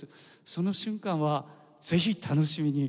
その瞬間はぜひ楽しみに。